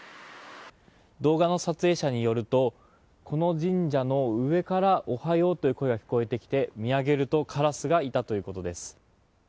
動画の撮影者によるとこの神社の上からおはようという声が聞こえてきて見上げるとカラスがいたということです。